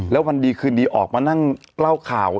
แล้ววันดีคืนดีออกมานั่งเล่าข่าว